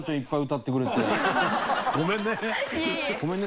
ごめんね。